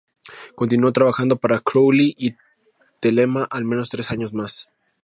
Continuó trabajando para Crowley y Thelema al menos tres años más.